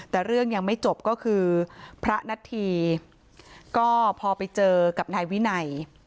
แต่เรื่องยังไม่จบก็คือพระนัทธีก็พอไปเจอกับนายวินัย